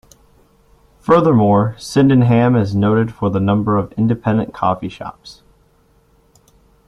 Furthermore, Sydenham is noted for the number of independent coffee shops.